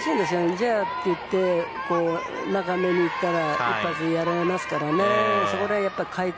じゃあっていって長めにいったら一発やられますからね。